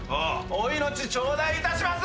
お命頂戴いたします！